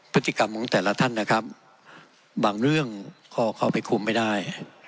พฤติกรรมของแต่ละท่านนะครับบางเรื่องก็เข้าไปคุมไม่ได้